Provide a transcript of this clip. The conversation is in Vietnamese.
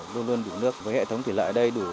luôn luôn đủ nước với hệ thống thủy lợi ở đây đủ